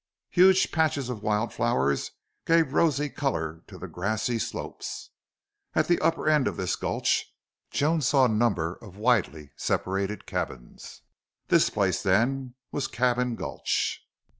Huge patches of wild flowers gave rosy color to the grassy slopes. At the upper end of this gulch Joan saw a number of widely separated cabins. This place, then, was Cabin Gulch.